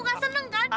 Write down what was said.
gak seneng kan